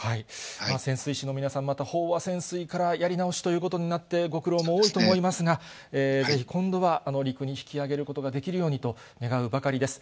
潜水士の皆さん、また飽和潜水からやり直しということになって、ご苦労も多いと思いますが、ぜひ今度は陸に引き揚げることができるようにと願うばかりです。